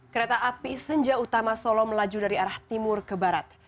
kereta api senja utama solo melaju dari arah timur ke barat